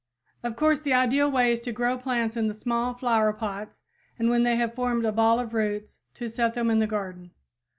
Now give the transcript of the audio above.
Of course, the ideal way is to grow the plants in small flower pots and when they have formed a ball of roots, to set them in the garden.